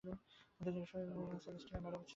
তিনি স্বৈরশাসকের জন্য সেলেস্টিনা বা ম্যাডাম ছিলেন।